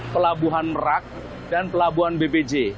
pelabuhan merak dan pelabuhan bpj